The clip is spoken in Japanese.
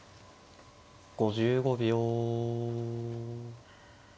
５５秒。